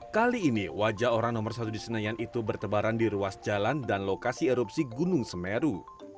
kali ini wajah orang nomor satu di senayan itu bertebaran di ruas jalan dan lokasi erupsi gunung semeru